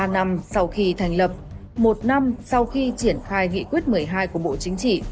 ba năm sau khi thành lập một năm sau khi triển khai nghị quyết một mươi hai của bộ chính trị